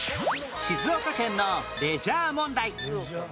静岡県のレジャー問題